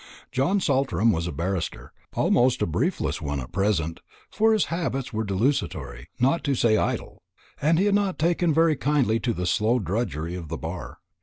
Mr. Saltram was a barrister, almost a briefless one at present, for his habits were desultory, not to say idle, and he had not taken very kindly to the slow drudgery of the Bar.